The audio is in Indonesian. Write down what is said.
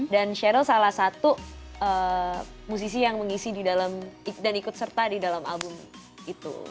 dan cheryl salah satu musisi yang mengisi di dalam dan ikut serta di dalam album itu